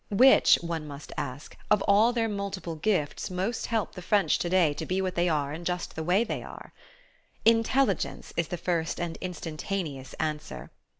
Which (one must ask) of all their multiple gifts most help the French today to be what they are in just the way they are? Intelligence! is the first and instantaneous answer.